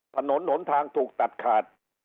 ถนนหนทางถูกตัดขาด